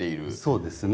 そうですね。